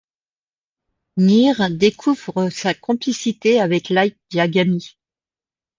Near découvre sa complicité avec Light Yagami.